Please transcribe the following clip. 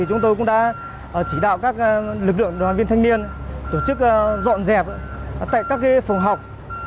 chúng tôi cũng đã chỉ đạo các lực lượng đoàn viên thanh niên tổ chức dọn dẹp tại các phòng học